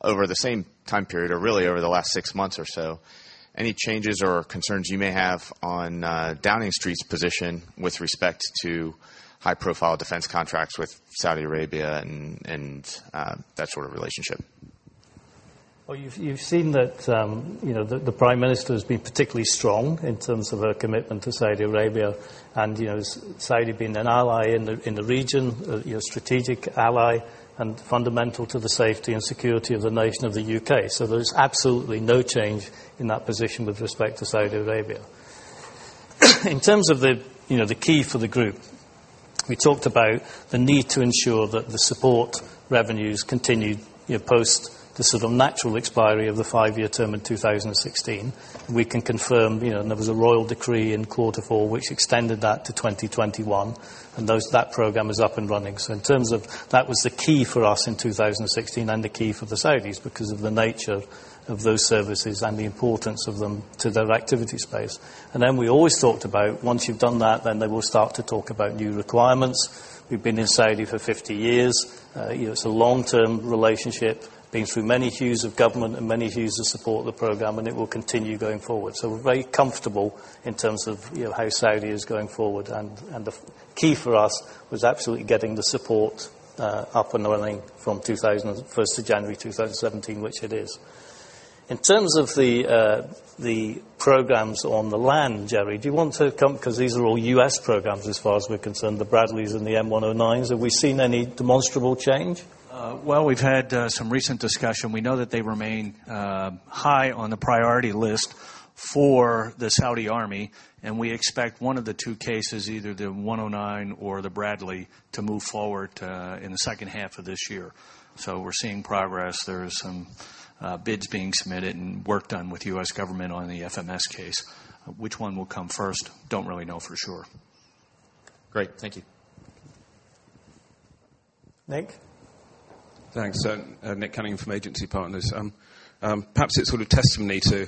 Speaker 5: over the same time period or really over the last 6 months or so, any changes or concerns you may have on Downing Street's position with respect to high-profile defense contracts with Saudi Arabia and that sort of relationship?
Speaker 2: Well, you've seen that the Prime Minister has been particularly strong in terms of her commitment to Saudi Arabia, Saudi being an ally in the region, a strategic ally, fundamental to the safety and security of the nation of the U.K. There's absolutely no change in that position with respect to Saudi Arabia. In terms of the key for the group, we talked about the need to ensure that the support revenues continued, post the sort of natural expiry of the 5-year term in 2016. We can confirm there was a royal decree in quarter four, which extended that to 2021, that program is up and running. In terms of, that was the key for us in 2016, the key for the Saudis because of the nature of those services and the importance of them to their activity space. We always talked about once you've done that, they will start to talk about new requirements. We've been in Saudi for 50 years. It's a long-term relationship, been through many hues of government, many hues of support of the program, it will continue going forward. We're very comfortable in terms of how Saudi is going forward, the key for us was absolutely getting the support up and running from 1st of January 2017, which it is. In terms of the programs on the land, Jerry, do you want to come? Because these are all U.S. programs as far as we're concerned, the Bradleys and the M109s. Have we seen any demonstrable change?
Speaker 6: Well, we've had some recent discussion. We know that they remain high on the priority list for the Saudi army, and we expect one of the two cases, either the M109 or the Bradley, to move forward in the second half of this year. We're seeing progress. There are some bids being submitted and work done with U.S. government on the FMS case. Which one will come first, don't really know for sure.
Speaker 5: Great. Thank you.
Speaker 2: Nick?
Speaker 7: Thanks. Nick Cunningham from Agency Partners. Perhaps it's sort of testimony to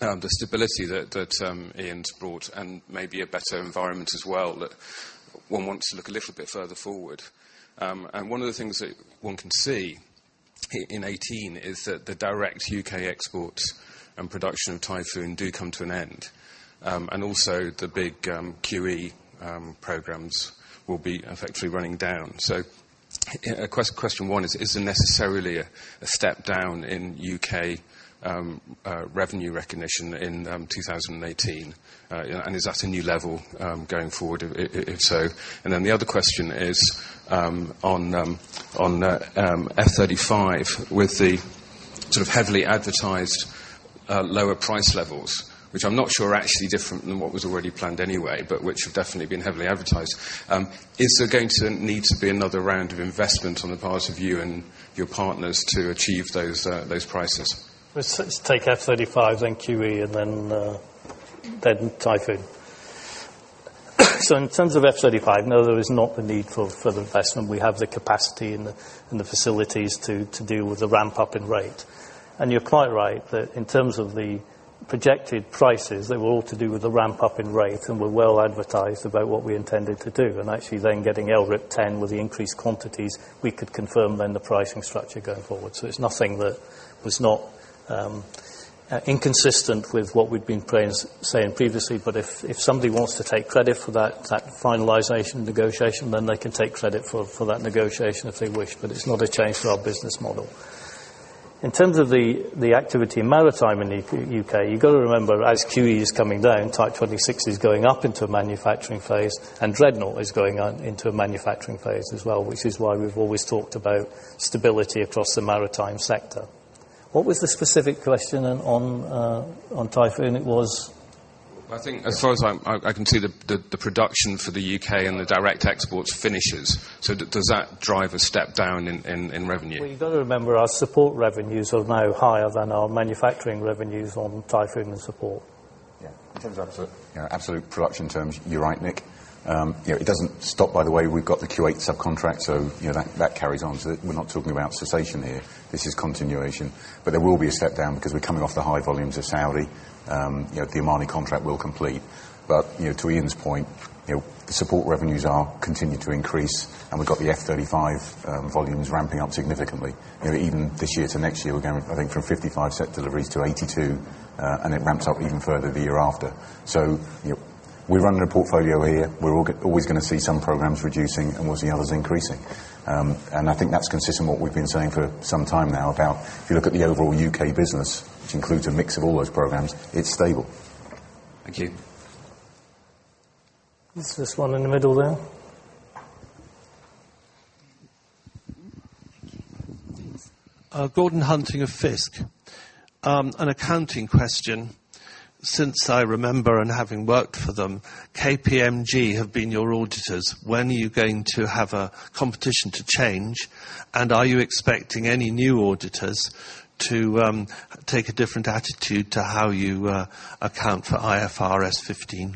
Speaker 7: the stability that Ian's brought and maybe a better environment as well, that one wants to look a little bit further forward. One of the things that one can see in 2018 is that the direct U.K. exports and production of Typhoon do come to an end. Also the big QE programs will be effectively running down. Question one, is it necessarily a step-down in U.K. revenue recognition in 2018? Is that a new level going forward, if so? The other question is on F-35, with the sort of heavily advertised lower price levels, which I'm not sure are actually different than what was already planned anyway, but which have definitely been heavily advertised, is there going to need to be another round of investment on the part of you and your partners to achieve those prices?
Speaker 2: F-35, then QE, and then Typhoon. In terms of F-35, no, there is not the need for further investment. We have the capacity and the facilities to deal with the ramp-up in rate. You're quite right, that in terms of the projected prices, they were all to do with the ramp-up in rate and were well advertised about what we intended to do. Actually then getting LRIP 10 with the increased quantities, we could confirm then the pricing structure going forward. It's nothing that was not inconsistent with what we'd been saying previously. If somebody wants to take credit for that finalization negotiation, then they can take credit for that negotiation if they wish, but it's not a change to our business model. In terms of the activity in maritime in the U.K., you've got to remember, as QE is coming down, Type 26 is going up into a manufacturing phase, and Dreadnought is going into a manufacturing phase as well, which is why we've always talked about stability across the maritime sector. What was the specific question on Typhoon?
Speaker 7: I think as far as I can see, the production for the U.K. and the direct exports finishes. Does that drive a step-down in revenue?
Speaker 2: Well, you've got to remember, our support revenues are now higher than our manufacturing revenues on Typhoon and support.
Speaker 4: Yeah. In terms of absolute production terms, you're right, Nick. It doesn't stop by the way, we've got the Kuwait subcontract, that carries on. We're not talking about cessation here. This is continuation. There will be a step-down because we're coming off the high volumes of Saudi. The Omani contract will complete. To Ian's point, the support revenues are continuing to increase, and we've got the F-35 volumes ramping up significantly. Even this year to next year, we're going, I think, from 55 set deliveries to 82, and it ramps up even further the year after. We run a portfolio here. We're always going to see some programs reducing, and we'll see others increasing. I think that's consistent with what we've been saying for some time now about if you look at the overall U.K. business, which includes a mix of all those programs, it's stable.
Speaker 7: Thank you.
Speaker 2: There's this one in the middle there.
Speaker 8: Thank you. Gordon Hunting of Fiske. An accounting question. Since I remember and having worked for them, KPMG have been your auditors. When are you going to have a competition to change? Are you expecting any new auditors to take a different attitude to how you account for IFRS 15?
Speaker 4: You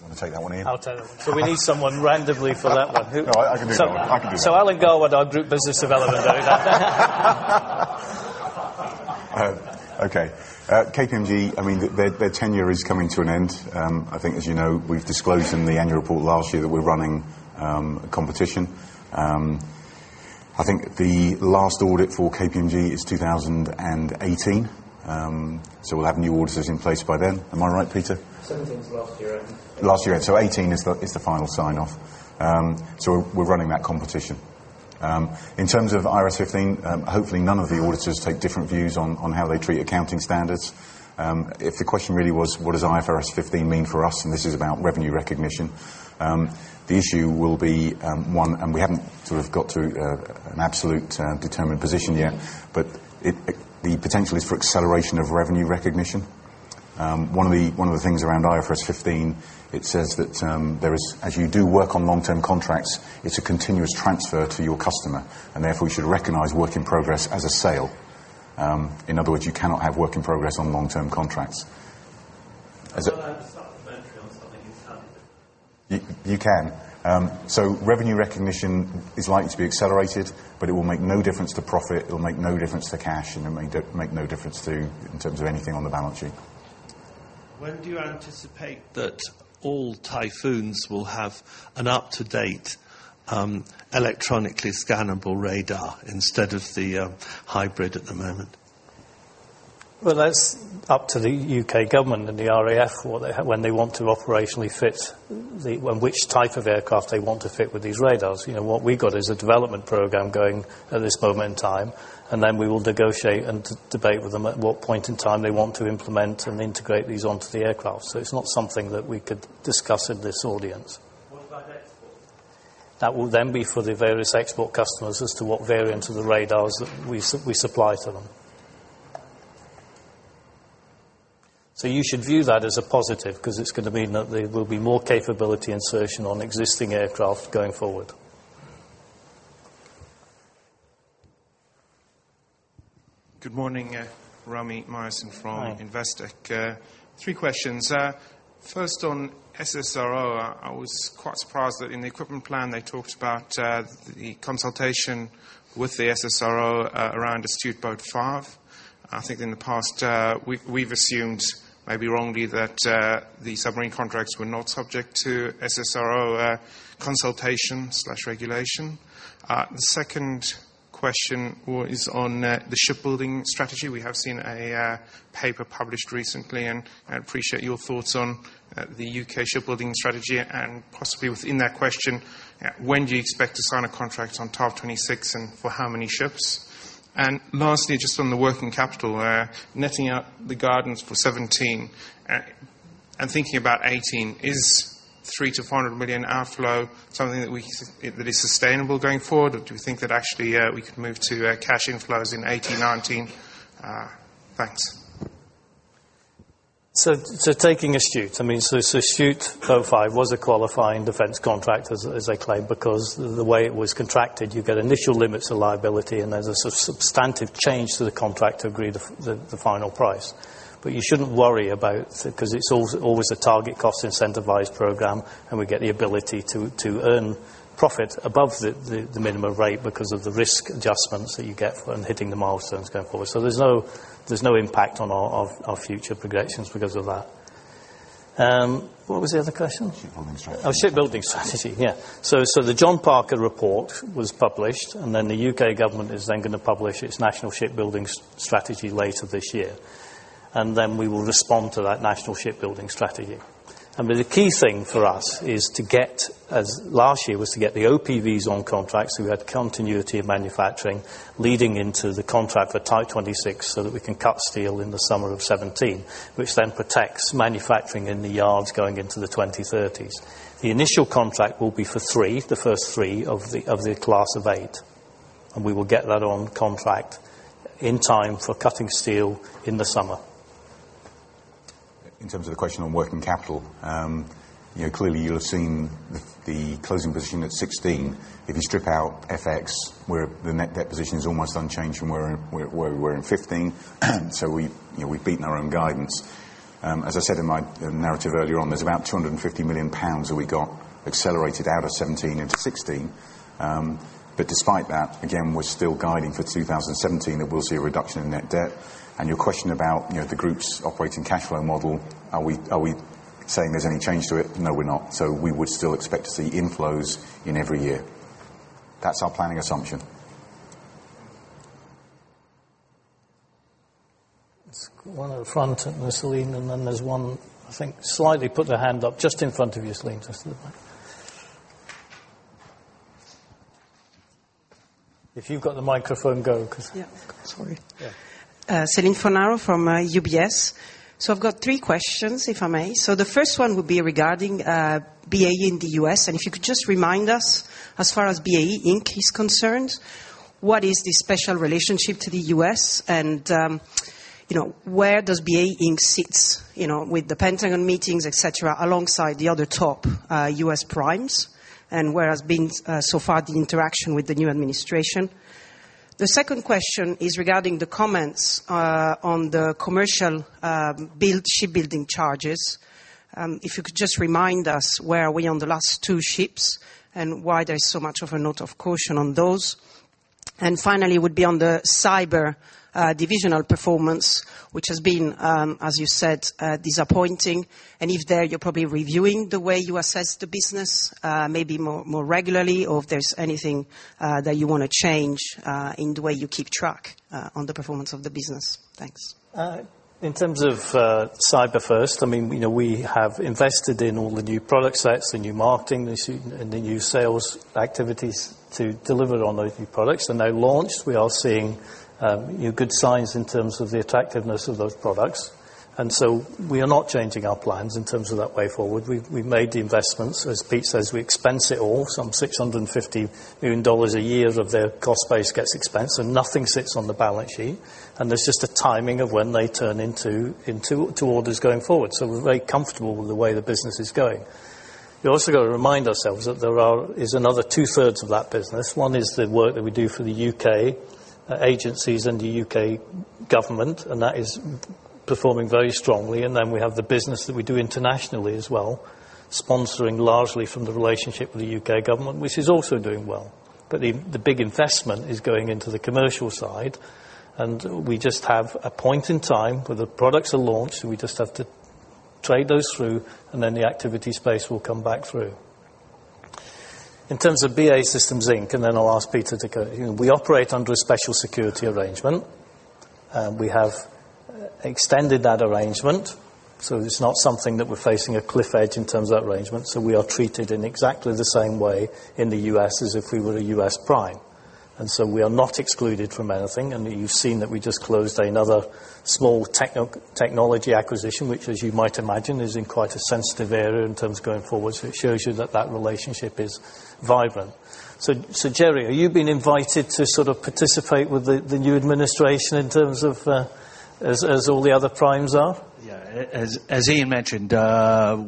Speaker 4: want to take that one, Ian?
Speaker 2: I'll take that one. We need someone randomly for that one. Who?
Speaker 4: No, I can do that one.
Speaker 2: Alan Garwood, our group business developer there.
Speaker 4: Okay. KPMG, their tenure is coming to an end. I think as you know, we've disclosed in the annual report last year that we're running a competition. I think the last audit for KPMG is 2018, so we'll have new auditors in place by then. Am I right, Peter?
Speaker 8: 2017 is last year end.
Speaker 4: Last year, end. 2018 is the final sign-off. We're running that competition. In terms of IFRS 15, hopefully none of the auditors take different views on how they treat accounting standards. If the question really was what does IFRS 15 mean for us, and this is about revenue recognition, the issue will be one, and we haven't sort of got to an absolute determined position yet, but the potential is for acceleration of revenue recognition. One of the things around IFRS 15, it says that as you do work on long-term contracts, it's a continuous transfer to your customer, and therefore, you should recognize work in progress as a sale. In other words, you cannot have work in progress on long-term contracts.
Speaker 8: Supplementary on something you said.
Speaker 4: You can. Revenue recognition is likely to be accelerated, it will make no difference to profit, it'll make no difference to cash, it'll make no difference in terms of anything on the balance sheet.
Speaker 8: When do you anticipate that all Typhoons will have an up-to-date, electronically scannable radar instead of the hybrid at the moment?
Speaker 2: That's up to the U.K. government and the RAF, when they want to operationally fit, which type of aircraft they want to fit with these radars. What we've got is a development program going at this moment in time, we will negotiate and debate with them at what point in time they want to implement and integrate these onto the aircraft. It's not something that we could discuss in this audience.
Speaker 8: What about exports?
Speaker 2: That will then be for the various export customers as to what variants of the radars that we supply to them. You should view that as a positive because it's going to mean that there will be more capability insertion on existing aircraft going forward.
Speaker 3: Good morning. Rami Myerson from Investec.
Speaker 2: Hi.
Speaker 3: Three questions. First, on SSRO, I was quite surprised that in the equipment plan they talked about the consultation with the SSRO around Astute Boat 5. I think in the past, we've assumed, maybe wrongly, that the submarine contracts were not subject to SSRO consultation/regulation. The second question is on the shipbuilding strategy. We have seen a paper published recently, and I appreciate your thoughts on the U.K. shipbuilding strategy. Possibly within that question, when do you expect to sign a contract on Type 26, and for how many ships? Lastly, just on the working capital, netting out the guidance for 2017 and thinking about 2018, is 300 million-400 million outflow something that is sustainable going forward? Do we think that actually, we could move to cash inflows in 2018, 2019? Thanks.
Speaker 2: Taking Astute. Astute 05 was a qualifying defence contract as I claimed because the way it was contracted, you get initial limits of liability, and there's a substantive change to the contract to agree the final price. You shouldn't worry about it because it's always a target cost incentivized program, and we get the ability to earn profit above the minimum rate because of the risk adjustments that you get from hitting the milestones going forward. There's no impact on our future projections because of that. What was the other question?
Speaker 3: Shipbuilding strategy.
Speaker 2: Shipbuilding strategy. The John Parker report was published, and the U.K. government is then going to publish its National Shipbuilding Strategy later this year. We will respond to that National Shipbuilding Strategy. The key thing for us last year, was to get the OPVs on contract, so we had continuity of manufacturing leading into the contract for Type 26, so that we can cut steel in the summer of 2017, which then protects manufacturing in the yards going into the 2030s. The initial contract will be for three, the first three of the class of 8. We will get that on contract in time for cutting steel in the summer.
Speaker 4: In terms of the question on working capital, clearly you'll have seen the closing position at 2016. If you strip out FX, the net debt position is almost unchanged from where we were in 2015. We've beaten our own guidance. As I said in my narrative earlier on, there's about 250 million pounds that we got accelerated out of 2017 into 2016. Despite that, again, we're still guiding for 2017 that we'll see a reduction in net debt. Your question about the group's operating cash flow model, are we saying there's any change to it? No, we're not. We would still expect to see inflows in every year. That's our planning assumption.
Speaker 2: There's one at the front, Céline, then there's one, I think, slightly put their hand up just in front of you, Céline, just to the right. If you've got the microphone, go.
Speaker 9: Yeah. Sorry.
Speaker 2: Yeah.
Speaker 9: Céline Fornaro from UBS. I've got three questions, if I may. The first one would be regarding BAE in the U.S., and if you could just remind us, as far as BAE Inc. is concerned, what is the special relationship to the U.S.? Where does BAE Inc. sit with The Pentagon meetings, et cetera, alongside the other top U.S. primes? Where has been so far the interaction with the new administration? The second question is regarding the comments on the commercial shipbuilding charges. If you could just remind us where are we on the last two ships, and why there is so much of a note of caution on those. Finally, would be on the cyber divisional performance, which has been, as you said, disappointing. If there, you're probably reviewing the way you assess the business, maybe more regularly, or if there's anything that you want to change in the way you keep track on the performance of the business. Thanks.
Speaker 2: In terms of cyber first, we have invested in all the new product sets, the new marketing, and the new sales activities to deliver on those new products. Now launched, we are seeing good signs in terms of the attractiveness of those products. We are not changing our plans in terms of that way forward. We've made the investments. As Pete says, we expense it all. Some GBP 650 million a year of their cost base gets expensed, nothing sits on the balance sheet. There's just a timing of when they turn into orders going forward. We're very comfortable with the way the business is going. We also got to remind ourselves that there is another two-thirds of that business. One is the work that we do for the U.K. agencies and the U.K. government, that is performing very strongly. We have the business that we do internationally as well, sponsoring largely from the relationship with the U.K. government, which is also doing well. The big investment is going into the commercial side, we just have a point in time where the products are launched, we just have to trade those through, then the activity space will come back through. In terms of BAE Systems Inc., I'll ask Peter to go. We operate under a Special Security Agreement. We have extended that arrangement, so it's not something that we're facing a cliff edge in terms of that arrangement. We are treated in exactly the same way in the U.S. as if we were a U.S. prime. We are not excluded from anything, you've seen that we just closed another small technology acquisition, which, as you might imagine, is in quite a sensitive area in terms of going forward. It shows you that that relationship is vibrant. Jerry, are you being invited to sort of participate with the new administration in terms of as all the other primes are?
Speaker 6: Yeah. As Ian mentioned,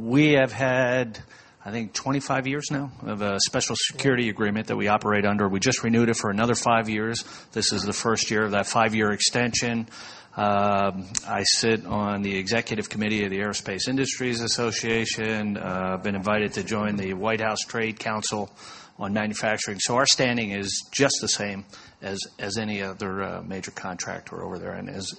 Speaker 6: we have had, I think, 25 years now of a Special Security Agreement that we operate under. We just renewed it for another 5 years. This is the first year of that 5-year extension. I sit on the executive committee of the Aerospace Industries Association. Been invited to join the White House National Trade Council on manufacturing. Our standing is just the same as any other major contractor over there.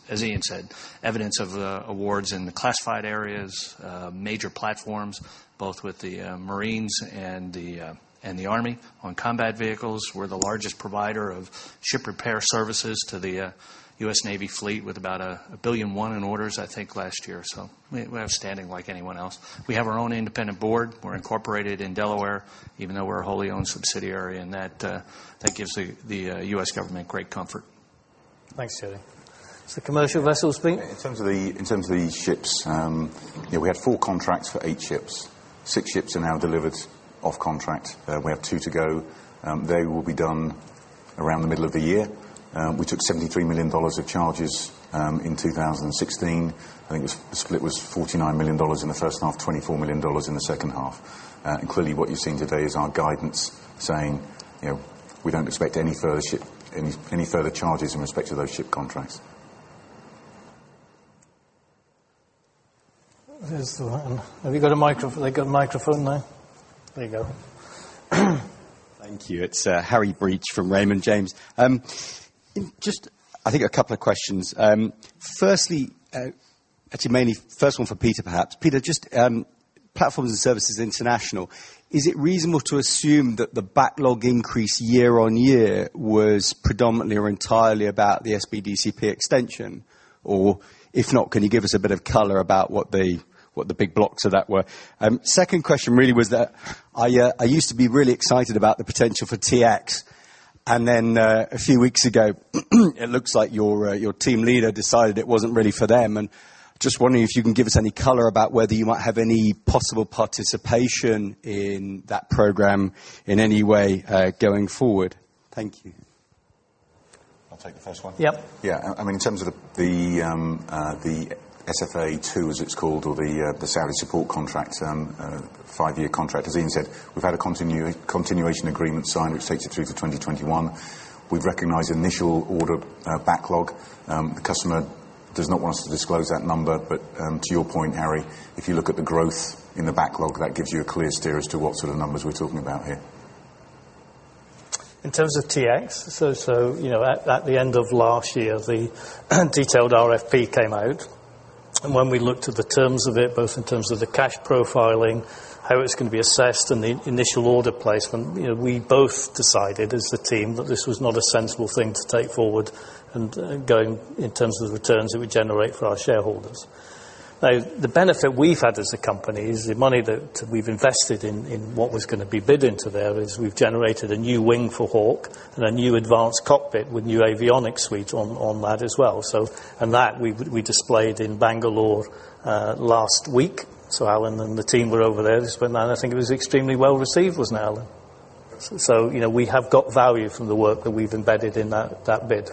Speaker 6: As Ian said, evidence of awards in the classified areas, major platforms, both with the Marines and the Army on combat vehicles. We're the largest provider of ship repair services to the U.S. Navy fleet with about 1.1 billion in orders, I think, last year. We have standing like anyone else. We have our own independent board. We're incorporated in Delaware, even though we're a wholly owned subsidiary. That gives the U.S. government great comfort.
Speaker 2: Thanks, Jerry. Commercial vessels, Pete?
Speaker 4: In terms of the ships, we had four contracts for eight ships. Six ships are now delivered off contract. We have two to go. They will be done around the middle of the year. We took GBP 73 million of charges in 2016. I think the split was GBP 49 million in the first half, GBP 24 million in the second half. Clearly, what you're seeing today is our guidance saying, we don't expect any further charges in respect to those ship contracts.
Speaker 2: Have you got a microphone? They got a microphone there. There you go.
Speaker 10: Thank you. It's Harry Breach from Raymond James. Just I think a couple of questions. Firstly, actually mainly first one for Peter, perhaps. Peter, just Platforms and Services International, is it reasonable to assume that the backlog increase year-on-year was predominantly or entirely about the SBDCP extension? Or if not, can you give us a bit of color about what the big blocks of that were? Second question really was that I used to be really excited about the potential for T-X, then a few weeks ago it looks like your team leader decided it wasn't really for them. Just wondering if you can give us any color about whether you might have any possible participation in that program in any way, going forward. Thank you.
Speaker 4: I'll take the first one.
Speaker 2: Yep.
Speaker 4: In terms of the SFA2, as it's called, or the Saudi support contract, five-year contract, as Ian said, we've had a continuation agreement signed, which takes it through to 2021. We've recognized initial order backlog. The customer does not want us to disclose that number, but to your point, Harry, if you look at the growth in the backlog, that gives you a clear steer as to what sort of numbers we're talking about here.
Speaker 2: In terms of T-X, at the end of last year, the detailed RFP came out. When we looked at the terms of it, both in terms of the cash profiling, how it's going to be assessed, and the initial order placement, we both decided as the team that this was not a sensible thing to take forward and going in terms of the returns it would generate for our shareholders. The benefit we've had as a company is the money that we've invested in what was going to be bid into there is we've generated a new wing for Hawk and a new advanced cockpit with new avionics suite on that as well. That, we displayed in Bangalore last week. Alan and the team were over there this week, and I think it was extremely well-received, wasn't it, Alan?
Speaker 6: Absolutely. We have got value from the work that we've embedded in that bid.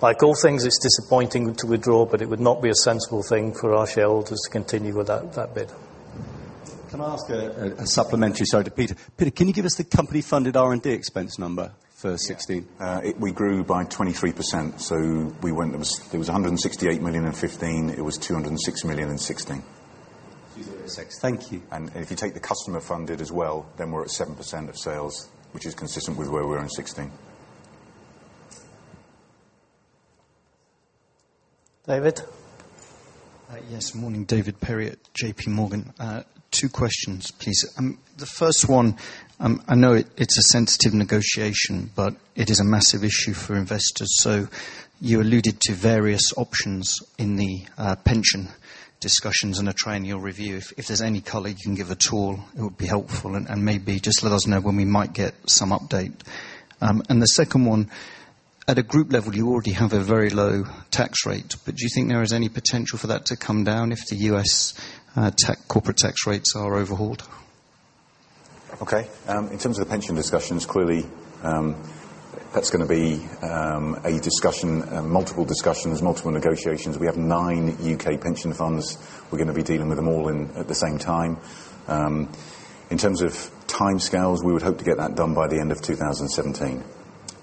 Speaker 6: Like all things, it's disappointing to withdraw, but it would not be a sensible thing for our shareholders to continue with that bid.
Speaker 10: Can I ask a supplementary, sorry, to Peter? Peter, can you give us the company-funded R&D expense number for 2016?
Speaker 4: We grew by 23%, so it was $168 million in 2015. It was $206 million in 2016.
Speaker 2: Thank you.
Speaker 4: If you take the customer-funded as well, then we're at 7% of sales, which is consistent with where we were in 2016.
Speaker 2: David?
Speaker 11: Yes. Morning, David Perry at JPMorgan. Two questions, please. The first one, I know it's a sensitive negotiation, but it is a massive issue for investors. You alluded to various options in the pension discussions and a triennial review. Maybe just let us know when we might get some update. The second one, at a group level, you already have a very low tax rate, but do you think there is any potential for that to come down if the U.S. corporate tax rates are overhauled?
Speaker 4: Okay. In terms of the pension discussions, clearly, that's going to be a discussion, multiple discussions, multiple negotiations. We have nine U.K. pension funds. We're going to be dealing with them all at the same time. In terms of timescales, we would hope to get that done by the end of 2017.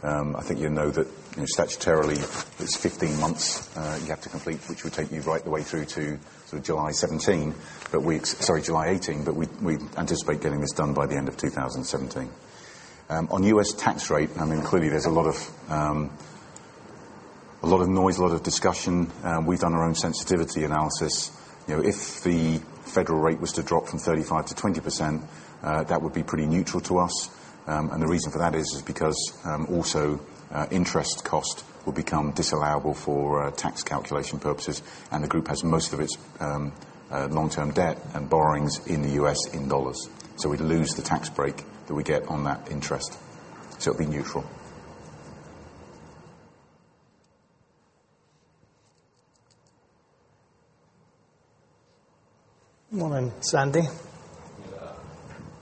Speaker 4: I think you know that statutorily, it's 15 months you have to complete, which would take me right the way through to July 2017, July 2018, but we anticipate getting this done by the end of 2017. On U.S. tax rate, clearly there's a lot of noise, a lot of discussion. We've done our own sensitivity analysis. If the federal rate was to drop from 35% to 20%, that would be pretty neutral to us, the reason for that is because also interest cost will become disallowable for tax calculation purposes, and the group has most of its long-term debt and borrowings in the U.S. in U.S. dollars. We'd lose the tax break that we get on that interest. It'll be neutral.
Speaker 2: Morning, Sandy.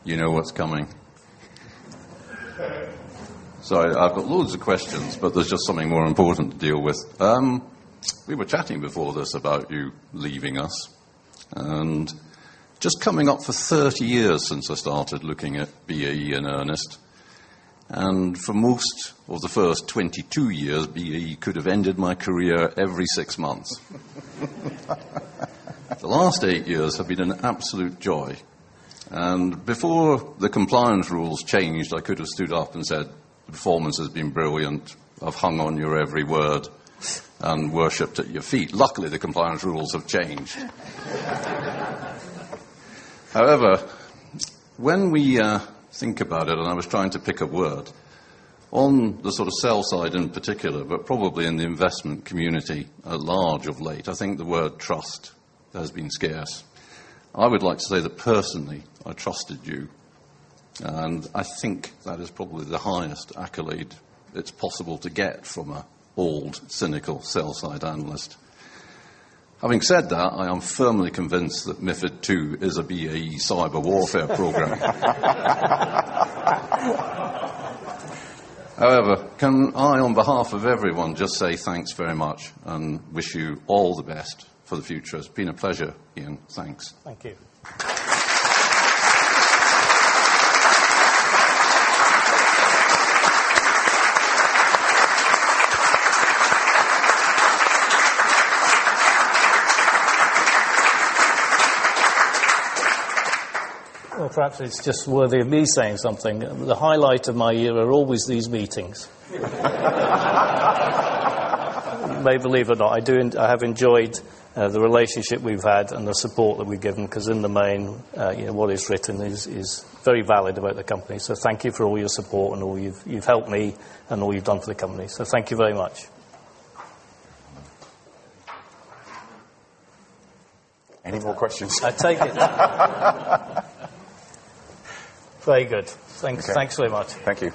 Speaker 12: You know what's coming. Sorry, I've got loads of questions, but there's just something more important to deal with. We were chatting before this about you leaving us. Just coming up for 30 years since I started looking at BAE in earnest, and for most of the first 22 years, BAE could have ended my career every six months. The last eight years have been an absolute joy. Before the compliance rules changed, I could have stood up and said, "The performance has been brilliant. I've hung on your every word and worshipped at your feet." Luckily, the compliance rules have changed. However, when we think about it, and I was trying to pick a word, on the sort of sell side in particular, but probably in the investment community at large of late, I think the word trust has been scarce. I would like to say that personally, I trusted you, and I think that is probably the highest accolade it's possible to get from an old, cynical sell side analyst. Having said that, I am firmly convinced that MiFID II is a BAE cyber warfare program. However, can I, on behalf of everyone, just say thanks very much and wish you all the best for the future. It's been a pleasure, Ian. Thanks.
Speaker 2: Thank you. Well, perhaps it's just worthy of me saying something. The highlight of my year are always these meetings. You may believe it or not, I have enjoyed the relationship we've had and the support that we've given, because in the main, what is written is very valid about the company. Thank you for all your support and all you've helped me and all you've done for the company. Thank you very much.
Speaker 4: Any more questions?
Speaker 2: I take it. Very good. Thanks.
Speaker 4: Okay.
Speaker 2: Thanks very much.
Speaker 4: Thank you.